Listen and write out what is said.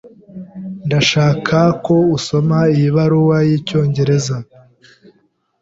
Ndashaka ko usoma iyi baruwa yicyongereza.